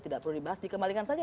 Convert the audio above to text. tidak perlu dibahas dikembalikan saja